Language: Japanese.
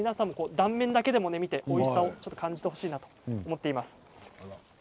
断面だけでも見ておいしさを感じてほしいなと思っています。